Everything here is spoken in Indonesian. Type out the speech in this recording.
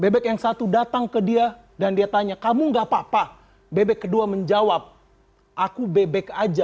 bebek yang satu datang ke dia dan dia tanya kamu enggak apa apa bebek kedua menjawab aku bebek aja